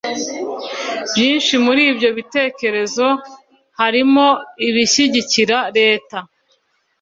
Byinshi muri ibyo bitekerezo harimo ibishyigikira Leta